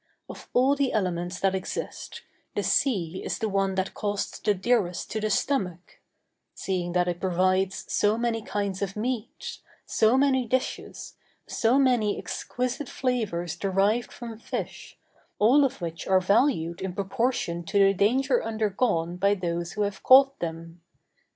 Of all the elements that exist, the sea is the one that costs the dearest to the stomach; seeing that it provides so many kinds of meats, so many dishes, so many exquisite flavors derived from fish, all of which are valued in proportion to the danger undergone by those who have caught them.